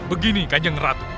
begini kajeng ratu